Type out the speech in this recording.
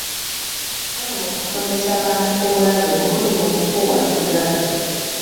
Bali mu kusomesa bantu ku bulabe obuli mu kufuuwa sigala.